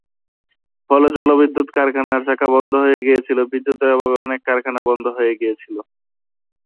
ফলে জলবিদ্যুৎ কারখানার চাকা বন্ধ হয়ে গিয়েছিলো, বিদ্যুতের অভাবে অনেক কারখানা বন্ধ হয়ে গিয়েছিলো।